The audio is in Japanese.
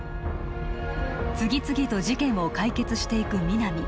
次々と事件を解決していく皆実